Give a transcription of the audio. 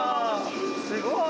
すごい！